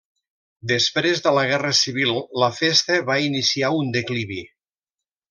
Després de la Guerra Civil la festa va iniciar un declivi.